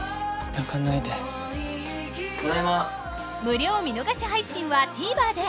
無料見逃し配信は ＴＶｅｒ で